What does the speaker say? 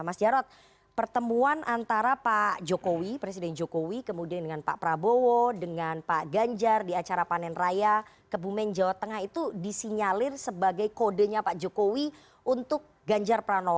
mas jarod pertemuan antara pak jokowi presiden jokowi kemudian dengan pak prabowo dengan pak ganjar di acara panen raya kebumen jawa tengah itu disinyalir sebagai kodenya pak jokowi untuk ganjar pranowo